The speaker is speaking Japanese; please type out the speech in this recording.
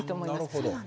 なるほど。